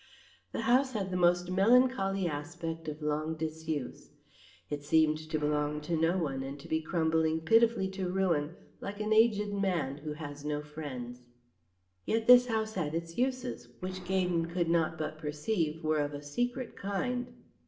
The house had the most melancholy aspect of long disuse. It seemed to belong to no one and to be crumbling pitifully to ruin like an aged man who has no friends. Yet this house had its uses, which Gaydon could not but perceive were of a secret kind.